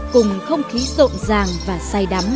cùng không khí rộn ràng và say đạp